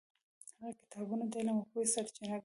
هغه کتابونه د علم او پوهې سرچینه ګڼل.